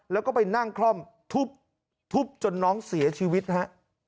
แล้วก็ไปนั่งคล่อมทุบจนน้องเสียชีวิตฮะ